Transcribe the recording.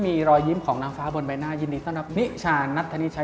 มีรอยยิ้มของนางฟ้าบนใบหน้ายินดีต้อนรับนิชานัทธนิชัย